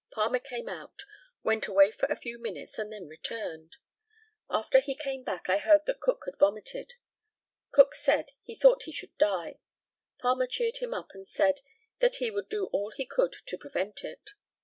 Palmer came out, went away for a few minutes, and then returned. After he came back, I heard that Cook had vomited. Cook said, he thought he should die. Palmer cheered him up, and said, that he would do all he could to prevent it.